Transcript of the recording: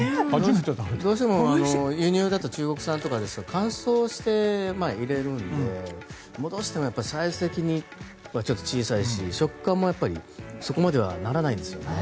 どうしても輸入だと中国産とかですが乾燥して入れるので戻してもサイズ的にはちょっと小さいし食感もこうはならないですよね。